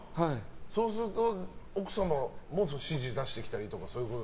そうすると奥様も指示出してきたりとか？